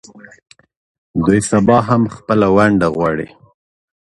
دوی سبا هم خپله ونډه غواړي.